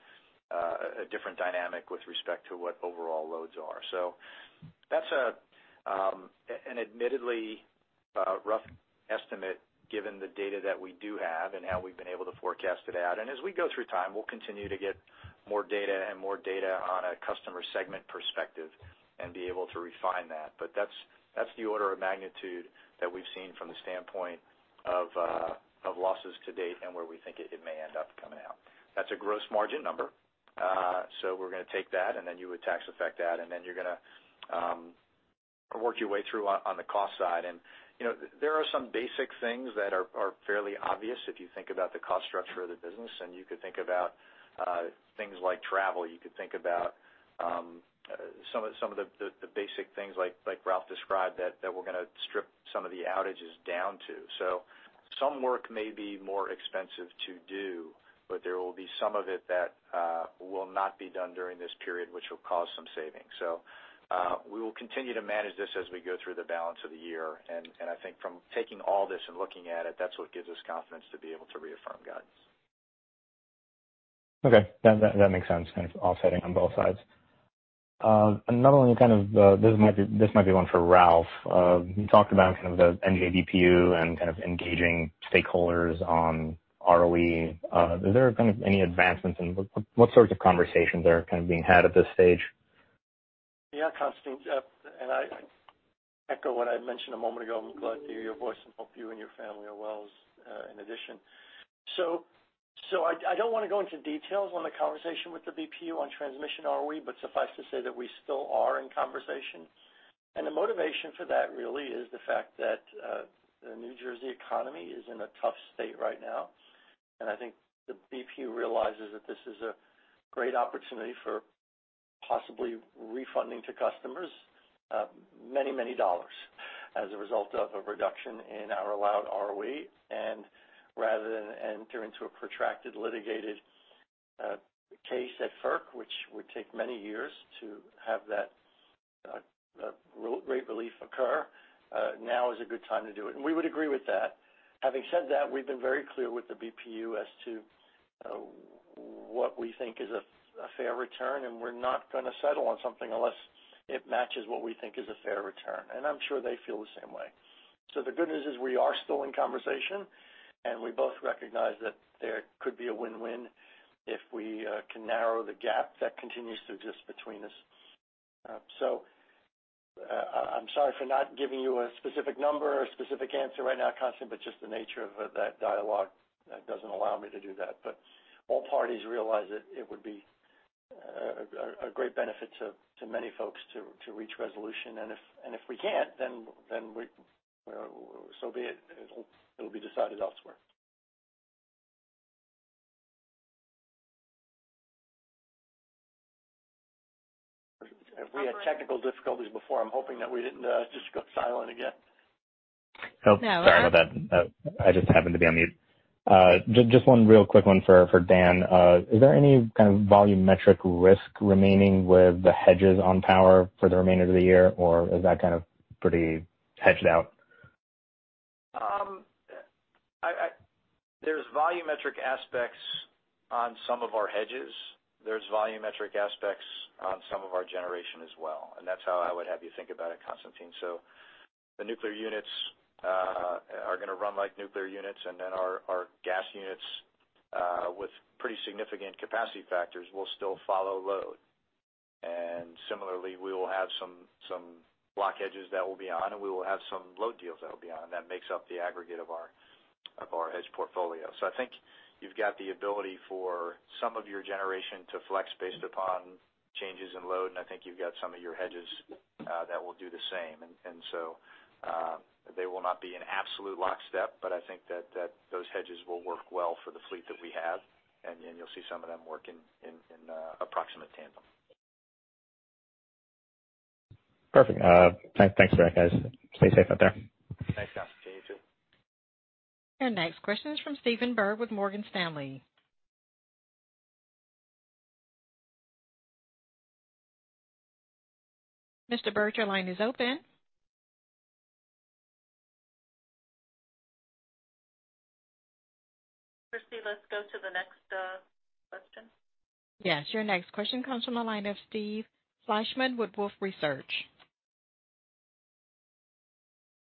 Speaker 4: a different dynamic with respect to what overall loads are. That's an admittedly rough estimate given the data that we do have and how we've been able to forecast it out. As we go through time, we'll continue to get more data and more data on a customer segment perspective and be able to refine that. That's the order of magnitude that we've seen from the standpoint of losses to date and where we think it may end up coming out. That's a gross margin number. We're going to take that, and then you would tax effect that, and then you're going to work your way through on the cost side. There are some basic things that are fairly obvious if you think about the cost structure of the business, and you could think about things like travel. You could think about some of the basic things like Ralph described that we're going to strip some of the outages down to. Some work may be more expensive to do, but there will be some of it that will not be done during this period, which will cause some savings. We will continue to manage this as we go through the balance of the year. I think from taking all this and looking at it, that's what gives us confidence to be able to reaffirm guidance.
Speaker 6: Okay. That makes sense. Kind of offsetting on both sides. Another one kind of, this might be one for Ralph. You talked about kind of the NJBPU and kind of engaging stakeholders on ROE. Is there kind of any advancements in what sorts of conversations are kind of being had at this stage?
Speaker 3: Yeah, Constantine. I echo what I mentioned a moment ago. I'm glad to hear your voice and hope you and your family are well in addition. I don't want to go into details on the conversation with the BPU on transmission ROE, but suffice to say that we still are in conversation. The motivation for that really is the fact that the New Jersey economy is in a tough state right now. I think the BPU realizes that this is a great opportunity for possibly refunding to customers many, many dollars as a result of a reduction in our allowed ROE. Rather than enter into a protracted litigated case at FERC, which would take many years to have that rate relief occur, now is a good time to do it. We would agree with that. Having said that, we've been very clear with the BPU as to what we think is a fair return, and we're not going to settle on something unless it matches what we think is a fair return. I'm sure they feel the same way. The good news is we are still in conversation, and we both recognize that there could be a win-win if we can narrow the gap that continues to exist between us. I'm sorry for not giving you a specific number or a specific answer right now, Constantine, but just the nature of that dialogue doesn't allow me to do that. All parties realize that it would be a great benefit to many folks to reach resolution. If we can't, then so be it. It'll be decided elsewhere. If we had technical difficulties before, I'm hoping that we didn't just go silent again.
Speaker 6: Oh, sorry about that. I just happened to be on mute. Just one real quick one for Dan. Is there any kind of volumetric risk remaining with the hedges on power for the remainder of the year, or is that kind of pretty hedged out?
Speaker 4: There's volumetric aspects on some of our hedges. There's volumetric aspects on some of our generation as well. That's how I would have you think about it, Constantine. The nuclear units are going to run like nuclear units. Then our gas units with pretty significant capacity factors will still follow load. Similarly, we will have some block hedges that we'll be on. We will have some load deals that we'll be on. That makes up the aggregate of our hedge portfolio. I think you've got the ability for some of your generation to flex based upon changes in load. I think you've got some of your hedges that will do the same. They will not be in absolute lockstep. I think that those hedges will work well for the fleet that we have. You'll see some of them work in approximate tandem.
Speaker 6: Perfect. Thanks for that, guys. Stay safe out there.
Speaker 4: Thanks, Constantine. You, too.
Speaker 1: Your next question is from Stephen Byrd with Morgan Stanley. Mr. Byrd, your line is open.
Speaker 2: Christie, let's go to the next question.
Speaker 1: Yes. Your next question comes from the line of Steve Fleishman with Wolfe Research.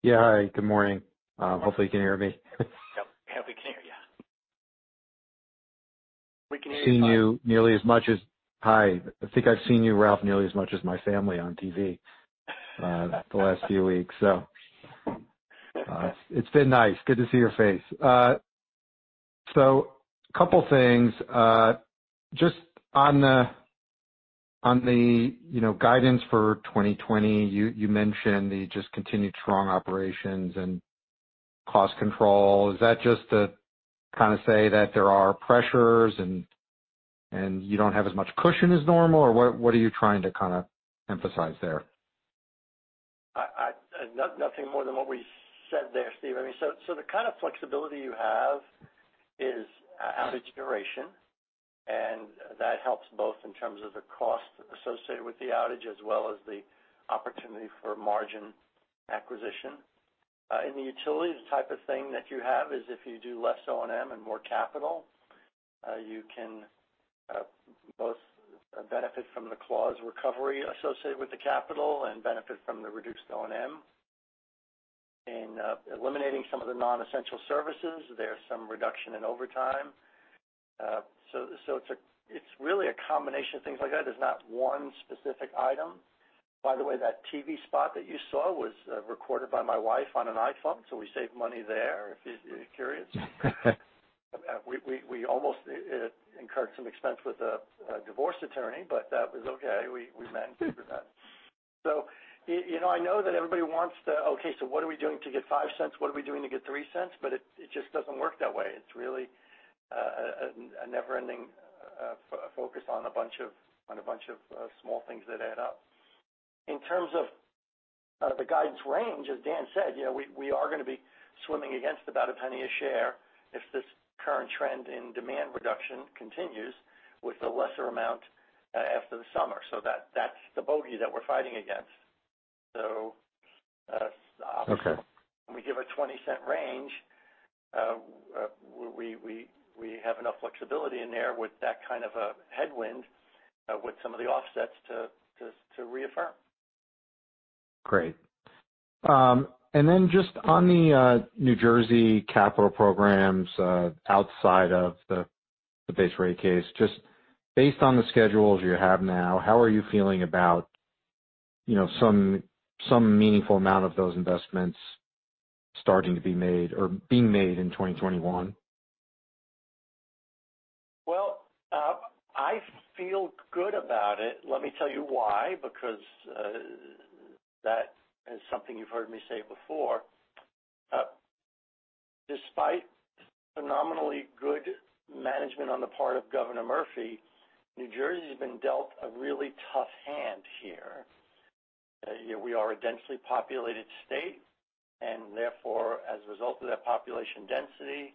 Speaker 7: Yeah. Hi, good morning. Hopefully you can hear me.
Speaker 4: Yep. We can hear you. We can hear you fine.
Speaker 7: Hi. I think I've seen you, Ralph, nearly as much as my family on TV the last few weeks. It's been nice. Good to see your face. A couple of things. Just on the guidance for 2020, you mentioned the just continued strong operations and cost control. Is that just to kind of say that there are pressures and you don't have as much cushion as normal, or what are you trying to kind of emphasize there?
Speaker 3: Nothing more than what we said there, Steve. The kind of flexibility you have is outage duration, and that helps both in terms of the cost associated with the outage as well as the opportunity for margin acquisition. In the utilities, the type of thing that you have is if you do less O&M and more capital, you can both benefit from the clause recovery associated with the capital and benefit from the reduced O&M. In eliminating some of the non-essential services, there's some reduction in overtime. It's really a combination of things like that. There's not one specific item. By the way, that TV spot that you saw was recorded by my wife on an iPhone. We saved money there, if you're curious. We almost incurred some expense with a divorce attorney, that was okay. We managed through that. I know that everybody wants to, okay, what are we doing to get $0.05? What are we doing to get $0.03? It just doesn't work that way. It's really a never-ending focus on a bunch of small things that add up. In terms of the guidance range, as Dan said, we are going to be swimming against about $0.01 a share if this current trend in demand reduction continues with a lesser amount after the summer. That's the bogey that we're fighting against when we give a $0.20 range, we have enough flexibility in there with that kind of a headwind with some of the offsets to reaffirm.
Speaker 7: Great. Then just on the New Jersey capital programs outside of the base rate case, just based on the schedules you have now, how are you feeling about some meaningful amount of those investments starting to be made or being made in 2021?
Speaker 3: Well, I feel good about it. Let me tell you why, because that is something you've heard me say before. Despite phenomenally good management on the part of Governor Murphy, New Jersey has been dealt a really tough hand here. We are a densely populated state, and therefore, as a result of that population density,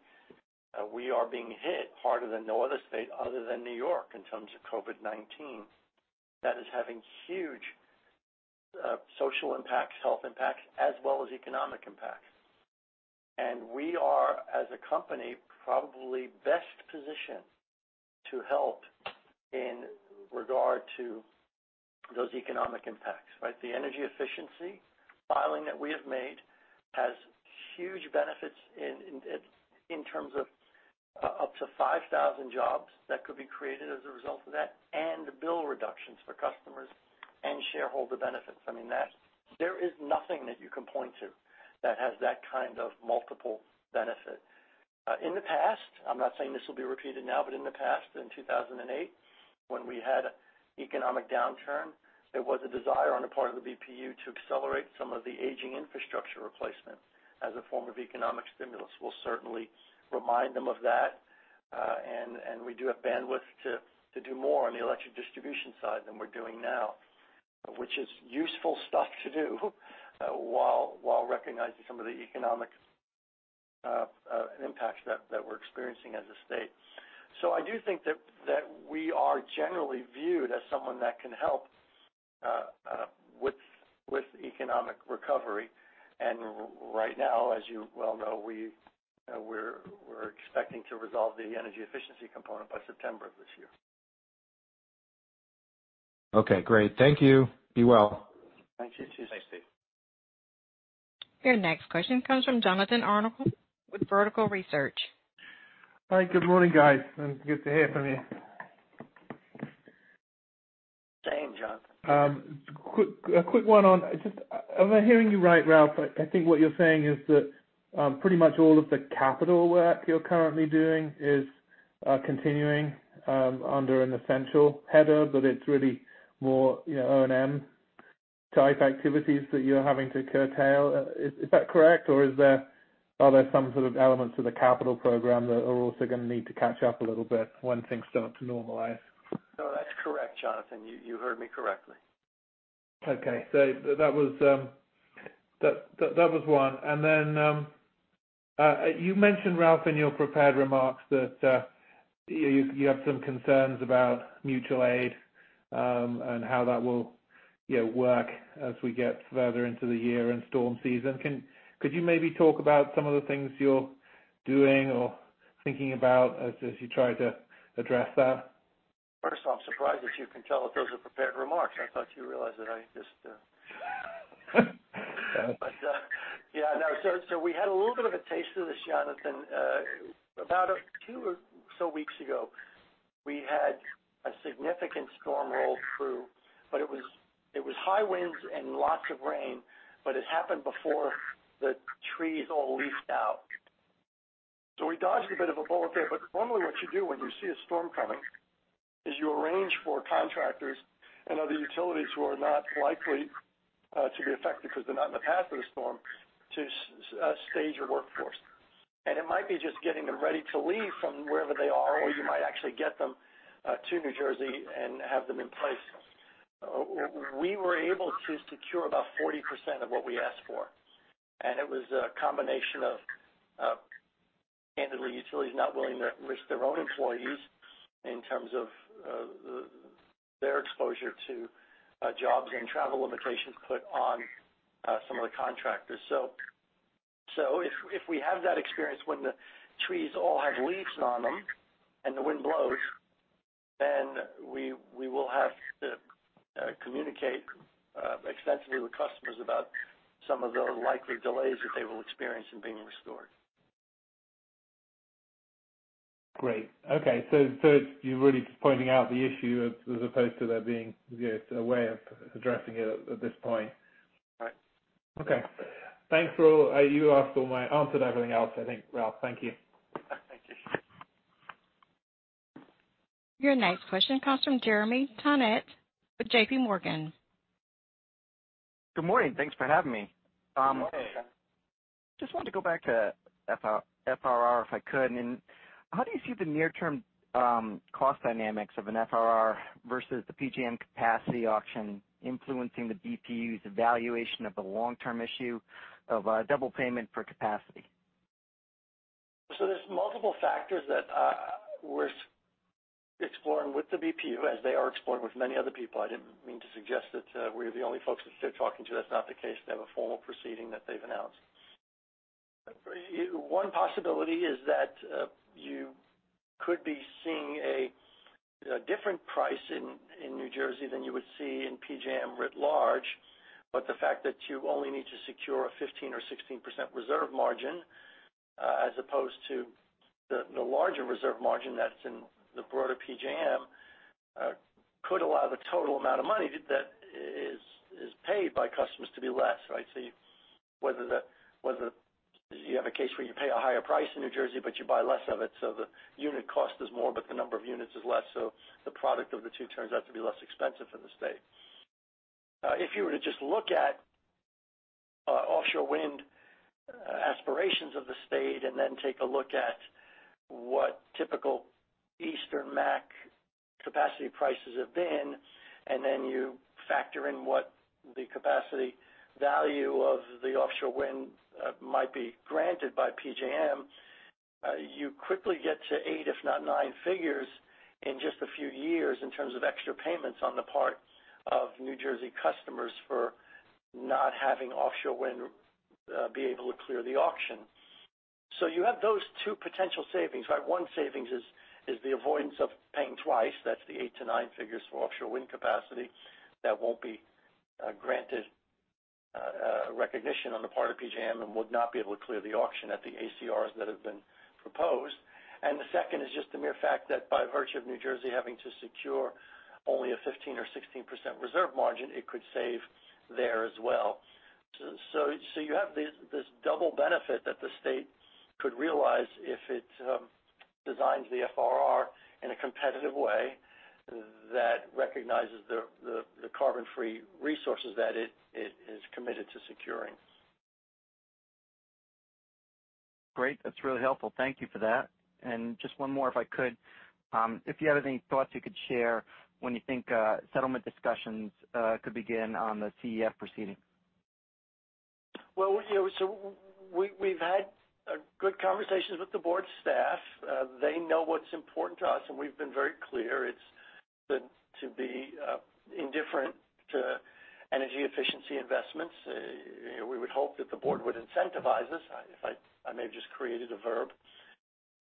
Speaker 3: we are being hit harder than no other state other than New York in terms of COVID-19. That is having huge social impacts, health impacts, as well as economic impacts. We are, as a company, probably best positioned to help in regard to those economic impacts, right? The energy efficiency filing that we have made has huge benefits in terms of up to 5,000 jobs that could be created as a result of that and bill reductions for customers and shareholder benefits. There is nothing that you can point to that has that kind of multiple benefit. In the past, I'm not saying this will be repeated now, but in the past, in 2008. When we had economic downturn, there was a desire on the part of the BPU to accelerate some of the aging infrastructure replacement as a form of economic stimulus. We'll certainly remind them of that. We do have bandwidth to do more on the electric distribution side than we're doing now, which is useful stuff to do while recognizing some of the economic impacts that we're experiencing as a state. I do think that we are generally viewed as someone that can help with economic recovery. Right now, as you well know, we're expecting to resolve the energy efficiency component by September of this year.
Speaker 7: Okay, great. Thank you. Be well.
Speaker 4: Thank you. Cheers.
Speaker 3: Thanks, Steve.
Speaker 1: Your next question comes from Jonathan Arnold with Vertical Research.
Speaker 8: Hi. Good morning, guys. Good to hear from you.
Speaker 3: Same, Jonathan.
Speaker 8: A quick one on just, am I hearing you right, Ralph? I think what you're saying is that pretty much all of the capital work you're currently doing is continuing under an essential header, but it's really more O&M type activities that you're having to curtail. Is that correct? Are there some sort of elements of the capital program that are also going to need to catch up a little bit once things start to normalize?
Speaker 3: No, that's correct, Jonathan. You heard me correctly.
Speaker 8: That was one. You mentioned, Ralph, in your prepared remarks that you have some concerns about mutual aid, and how that will work as we get further into the year and storm season. Could you maybe talk about some of the things you're doing or thinking about as you try to address that?
Speaker 3: First, I'm surprised that you can tell that those are prepared remarks. I thought you realized that. Yeah, no. We had a little bit of a taste of this, Jonathan. About two or so weeks ago, we had a significant storm roll through. It was high winds and lots of rain, but it happened before the trees all leafed out. We dodged a bit of a bullet there, but normally what you do when you see a storm coming is you arrange for contractors and other utilities who are not likely to be affected because they're not in the path of the storm to stage a workforce. It might be just getting them ready to leave from wherever they are, or you might actually get them to New Jersey and have them in place. We were able to secure about 40% of what we asked for. It was a combination of, candidly, utilities not willing to risk their own employees in terms of their exposure to jobs and travel limitations put on some of the contractors. If we have that experience when the trees all have leaves on them and the wind blows, then we will have to communicate extensively with customers about some of the likely delays that they will experience in being restored.
Speaker 8: Great. Okay. You're really just pointing out the issue as opposed to there being a way of addressing it at this point.
Speaker 3: Right.
Speaker 8: Okay. Thanks, Ralph. You answered everything else Ralph. Thank you.
Speaker 3: Thank you.
Speaker 1: Your next question comes from Jeremy Tonet with JPMorgan.
Speaker 9: Good morning. Thanks for having me.
Speaker 3: Good morning.
Speaker 9: Just wanted to go back to FRR, if I could. How do you see the near-term cost dynamics of an FRR versus the PJM capacity auction influencing the BPU's evaluation of the long-term issue of double payment for capacity?
Speaker 3: There's multiple factors that we're exploring with the BPU as they are exploring with many other people. I didn't mean to suggest that we're the only folks that they're talking to. That's not the case. They have a formal proceeding that they've announced. One possibility is that you could be seeing a different price in New Jersey than you would see in PJM writ large. The fact that you only need to secure a 15% or 16% reserve margin, as opposed to the larger reserve margin that's in the broader PJM, could allow the total amount of money that is paid by customers to be less, right? You have a case where you pay a higher price in New Jersey, but you buy less of it, so the unit cost is more, but the number of units is less, so the product of the two turns out to be less expensive in the state. If you were to just look at offshore wind aspirations of the state and then take a look at what typical Eastern MAAC capacity prices have been, and then you factor in what the capacity value of the offshore wind might be granted by PJM, you quickly get to eight if not nine figures in just a few years in terms of extra payments on the part of New Jersey customers for not having offshore wind be able to clear the auction. You have those two potential savings, right? One savings is the avoidance of paying twice. That's the eight to nine figures for offshore wind capacity that won't be granted recognition on the part of PJM and would not be able to clear the auction at the ACRs that have been proposed. The second is just the mere fact that by virtue of New Jersey having to secure only a 15% or 16% reserve margin, it could save there as well. You have this double benefit that the state could realize if it designs the FRR in a competitive way that recognizes the carbon-free resources that it is committed to securing.
Speaker 9: Great. That's really helpful. Thank you for that. Just one more, if I could. If you have any thoughts you could share when you think settlement discussions could begin on the CEF proceeding.
Speaker 3: Well, we've had good conversations with the board staff. They know what's important to us, and we've been very clear. It's to be indifferent to energy efficiency investments. We would hope that the board would incentivize us. I may have just created a verb.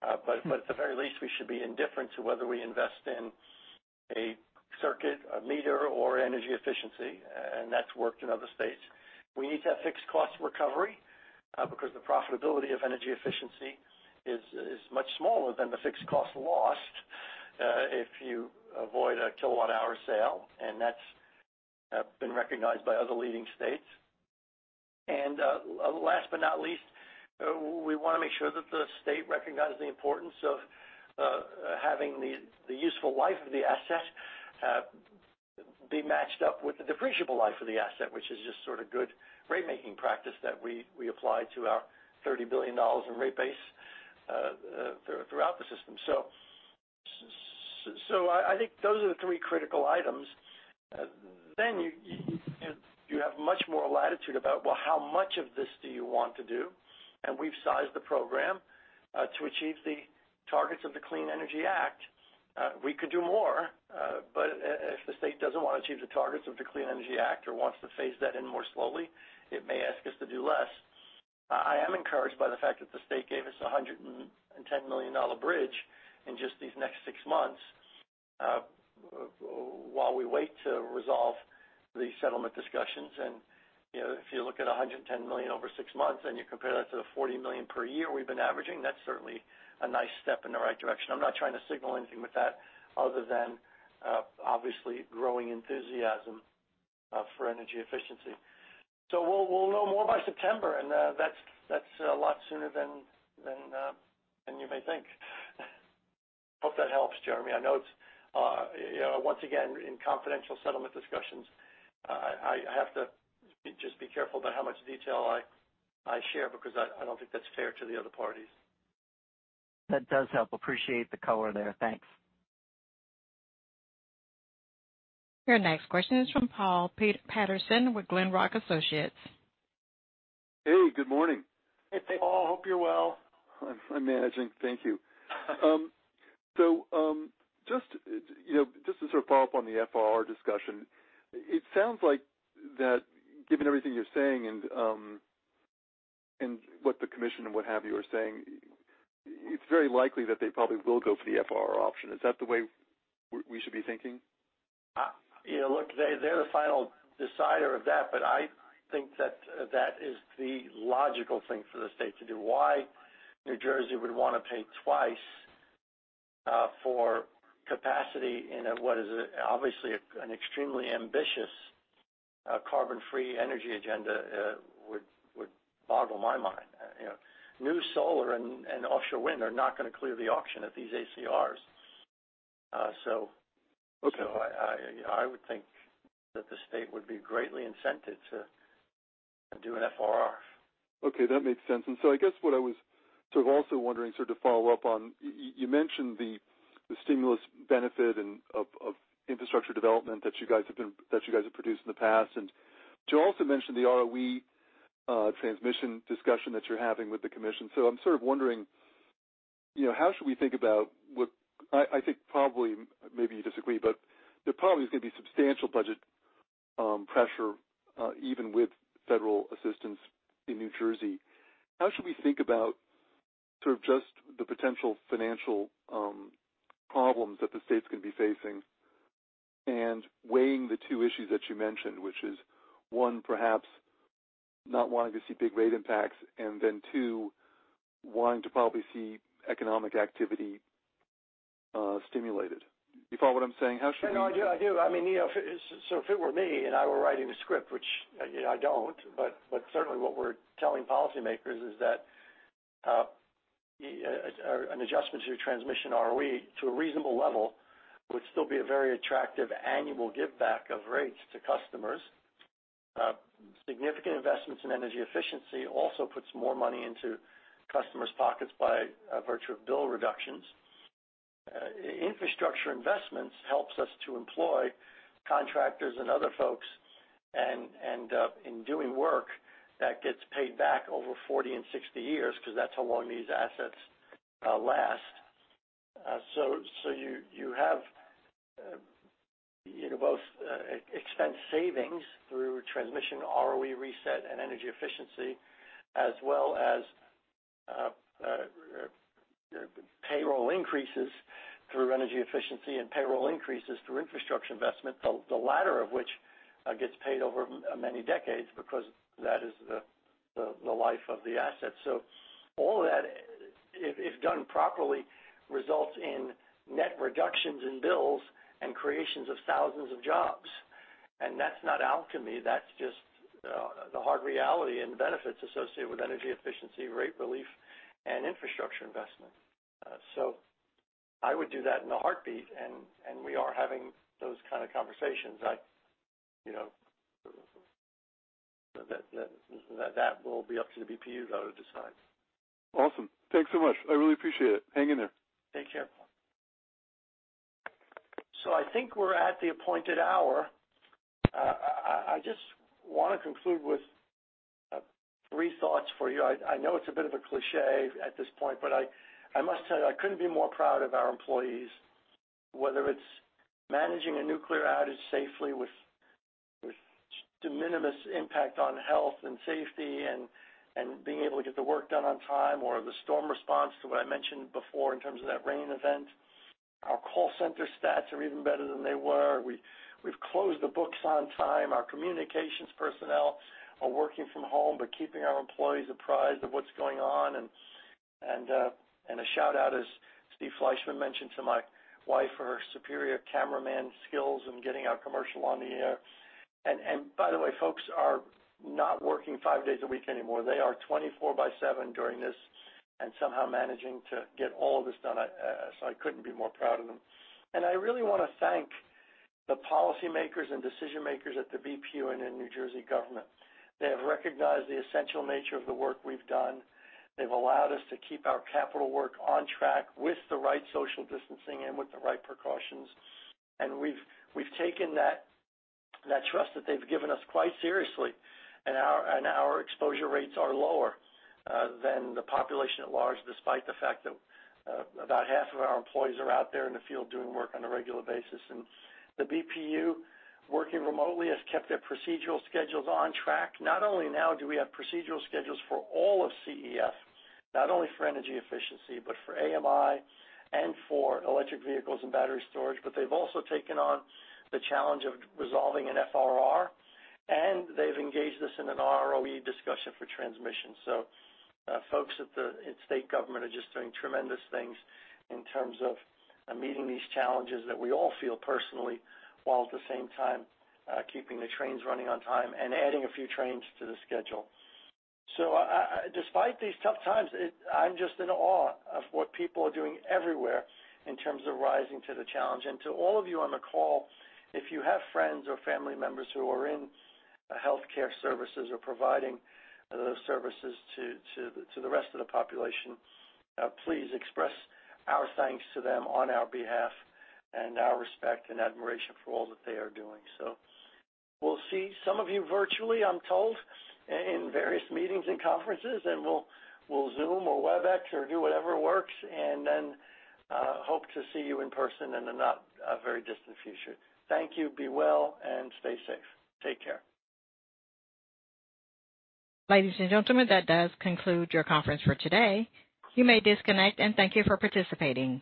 Speaker 3: At the very least, we should be indifferent to whether we invest in a circuit, a meter, or energy efficiency, and that's worked in other states. We need to have fixed cost recovery, because the profitability of energy efficiency is much smaller than the fixed cost lost if you avoid a kilowatt hour sale, and that's been recognized by other leading states. Last but not least, we want to make sure that the state recognizes the importance of having the useful life of the asset be matched up with the depreciable life of the asset, which is just sort of good rate-making practice that we apply to our $30 billion in rate base throughout the system. I think those are the three critical items. You have much more latitude about, well, how much of this do you want to do? We've sized the program to achieve the targets of the Clean Energy Act. We could do more, but if the state doesn't want to achieve the targets of the Clean Energy Act or wants to phase that in more slowly, it may ask us to do less. I am encouraged by the fact that the state gave us a $110 million bridge in just these next six months, while we wait to resolve the settlement discussions. If you look at $110 million over six months, and you compare that to the $40 million per year we've been averaging, that's certainly a nice step in the right direction. I'm not trying to signal anything with that other than, obviously, growing enthusiasm for energy efficiency. We'll know more by September, and that's a lot sooner than you may think. Hope that helps, Jeremy. I know it's, once again, in confidential settlement discussions, I have to just be careful about how much detail I share because I don't think that's fair to the other parties.
Speaker 9: That does help. Appreciate the color there. Thanks.
Speaker 1: Your next question is from Paul Patterson with Glenrock Associates.
Speaker 10: Hey, good morning.
Speaker 3: Hey, Paul. Hope you're well.
Speaker 10: I'm managing. Thank you. Just to sort of follow up on the FRR discussion, it sounds like that given everything you're saying and what the commission and what have you are saying, it's very likely that they probably will go for the FRR option. Is that the way we should be thinking?
Speaker 3: Look, they're the final decider of that, but I think that is the logical thing for the state to do. Why New Jersey would want to pay twice for capacity in what is obviously an extremely ambitious, carbon-free energy agenda would boggle my mind. New solar and offshore wind are not going to clear the auction at these ACRs.
Speaker 10: Okay.
Speaker 3: I would think that the state would be greatly incented to do an FRR.
Speaker 10: Okay. That makes sense. I guess what I was sort of also wondering, sort of to follow up on, you mentioned the stimulus benefit of infrastructure development that you guys have produced in the past. Joe also mentioned the ROE transmission discussion that you're having with the commission. I'm sort of wondering, how should we think about what I think probably, maybe you disagree, but there probably is going to be substantial budget pressure, even with federal assistance in New Jersey. How should we think about sort of just the potential financial problems that the state's going to be facing and weighing the two issues that you mentioned, which is, one, perhaps not wanting to see big rate impacts and then, two, wanting to probably see economic activity stimulated? You follow what I'm saying?
Speaker 3: No, I do. If it were me and I were writing a script, which I don't, but certainly what we're telling policymakers is that an adjustment to your transmission ROE to a reasonable level would still be a very attractive annual give back of rates to customers. Significant investments in energy efficiency also puts more money into customers' pockets by virtue of bill reductions. Infrastructure investments helps us to employ contractors and other folks, and in doing work, that gets paid back over 40 and 60 years, because that's how long these assets last. You have both expense savings through transmission ROE reset and energy efficiency, as well as payroll increases through energy efficiency and payroll increases through infrastructure investment, the latter of which gets paid over many decades because that is the life of the asset. All of that, if done properly, results in net reductions in bills and creations of thousands of jobs. That's not alchemy, that's just the hard reality and benefits associated with energy efficiency, rate relief, and infrastructure investment. I would do that in a heartbeat, and we are having those kind of conversations. That will be up to the BPU, though, to decide.
Speaker 10: Awesome. Thanks so much. I really appreciate it. Hang in there.
Speaker 3: Take care. I think we're at the appointed hour. I just want to conclude with three thoughts for you. I know it's a bit of a cliché at this point, but I must tell you, I couldn't be more proud of our employees, whether it's managing a nuclear outage safely with de minimis impact on health and safety and being able to get the work done on time or the storm response to what I mentioned before in terms of that rain event. Our call center stats are even better than they were. We've closed the books on time. Our communications personnel are working from home but keeping our employees apprised of what's going on. A shout-out, as Steve Fleishman mentioned, to my wife for her superior cameraman skills in getting our commercial on the air. By the way, folks are not working five days a week anymore. They are 24 by 7 during this and somehow managing to get all this done, so I couldn't be more proud of them. I really want to thank the policymakers and decision-makers at the BPU and in New Jersey government. They have recognized the essential nature of the work we've done. They've allowed us to keep our capital work on track with the right social distancing and with the right precautions. We've taken that trust that they've given us quite seriously. Our exposure rates are lower than the population at large, despite the fact that about half of our employees are out there in the field doing work on a regular basis. The BPU, working remotely, has kept their procedural schedules on track. Not only now do we have procedural schedules for all of CEF, not only for energy efficiency, but for AMI and for electric vehicles and battery storage, but they've also taken on the challenge of resolving an FRR, and they've engaged us in an ROE discussion for transmission. Folks at state government are just doing tremendous things in terms of meeting these challenges that we all feel personally, while at the same time keeping the trains running on time and adding a few trains to the schedule. Despite these tough times, I'm just in awe of what people are doing everywhere in terms of rising to the challenge. To all of you on the call, if you have friends or family members who are in healthcare services or providing those services to the rest of the population, please express our thanks to them on our behalf and our respect and admiration for all that they are doing. We'll see some of you virtually, I'm told, in various meetings and conferences, and we'll Zoom or Webex or do whatever works, and then hope to see you in person in the not very distant future. Thank you, be well, and stay safe. Take care.
Speaker 1: Ladies and gentlemen, that does conclude your conference for today. You may disconnect and thank you for participating.